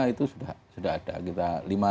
itu sudah ada kita